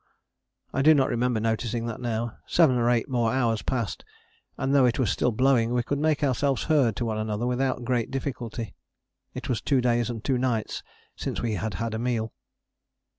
" I do not remember noticing that now. Seven or eight more hours passed, and though it was still blowing we could make ourselves heard to one another without great difficulty. It was two days and two nights since we had had a meal.